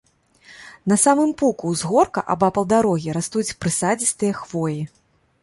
На самым пуку ўзгорка, абапал дарогі, растуць прысадзістыя хвоі.